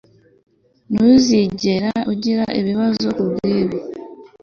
ntuzigera ugira ibibazo kubwibi